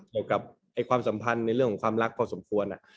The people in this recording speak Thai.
เกี่ยวกับความสัมพันธ์ในเรื่องของความรักพอสมควร